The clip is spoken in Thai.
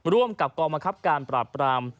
ร่วมกับกรบอภัยการปราบ